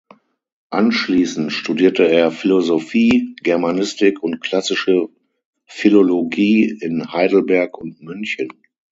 Anschließend studierte er Philosophie, Germanistik und klassische Philologie in Heidelberg und München.